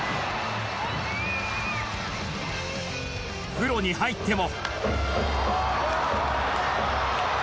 プロに入っても。